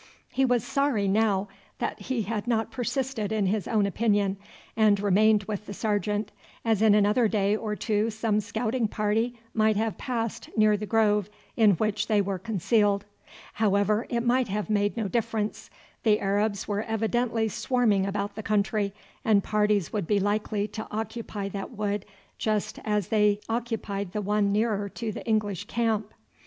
He was sorry now that he had not persisted in his own opinion and remained with the sergeant, as in another day or two some scouting party might have passed near the grove in which they were concealed. However, it might have made no difference. The Arabs were evidently swarming about the country, and parties would be likely to occupy that wood just as they occupied the one nearer to the English camp.